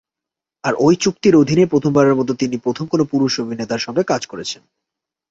আর এই চুক্তির অধীনেই প্রথমবারের মতো তিনি প্রথম কোনো পুরুষ অভিনেতার সঙ্গে কাজ করেছেন।